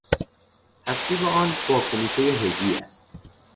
تصویب آن با کمیتهٔ حزبی است.